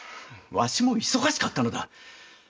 わしも忙しかったのだ。